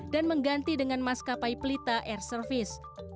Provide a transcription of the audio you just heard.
dan mengganti dengan maskapai pelita air service